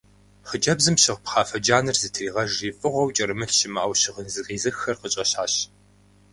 Хъыджэбзым щыгъ пхъафэ джанэр зытригъэжри фӀыгъуэу кӀэрымылъ щымыӀэу щыгъын зыкъизыххэр къыщӀэщащ.